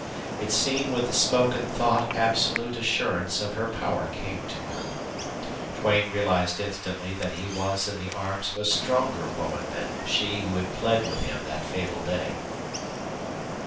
It seemed with the spoken thought absolute assurance of her power came to her. Duane realized instantly that he was in the arms of a stronger woman that she who had plead with him that fatal day.